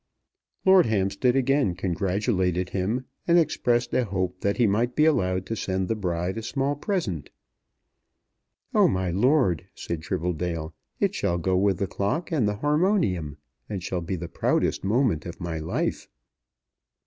Lord Hampstead again congratulated him, and expressed a hope that he might be allowed to send the bride a small present. "Oh, my lord," said Tribbledale, "it shall go with the clock and the harmonium, and shall be the proudest moment of my life."